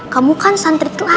kamu kan santri kelas